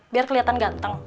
biar keliatan ganteng